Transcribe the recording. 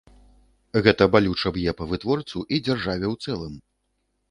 Гэта балюча б'е па вытворцу і дзяржаве ў цэлым.